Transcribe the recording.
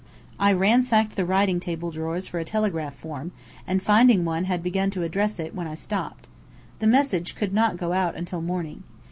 I ransacked the writing table drawers for a telegraph form; and finding one had begun to address it, when I stopped. The message could not go out until morning.